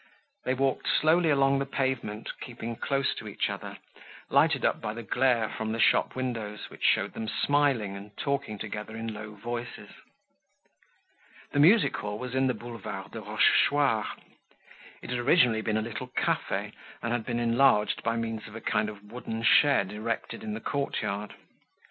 They walked slowly along the pavement, keeping close to each other, lighted up by the glare from the shop windows which showed them smiling and talking together in low voices. The music hall was in the Boulevard de Rochechouart. It had originally been a little cafe and had been enlarged by means of a kind of wooden shed erected in the courtyard.